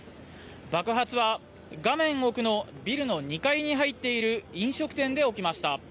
爆発は画面奥のビルの２階に入っている飲食店で起きました。